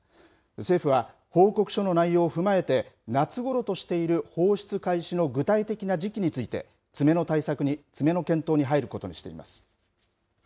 政府は報告書の内容を踏まえて、夏ごろとしている放出開始の具体的な時期について詰めの検討に入ることにしています。